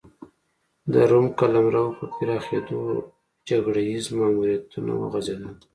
د روم قلمرو په پراخېدو جګړه ییز ماموریتونه وغځېدل